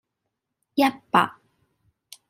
一百